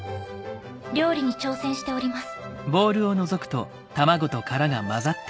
料理に挑戦しております。